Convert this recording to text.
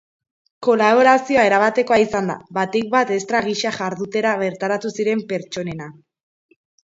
Kolaborazioa erabatekoa izan da, batik bat estra gisa jardutera bertaratu ziren pertsonena.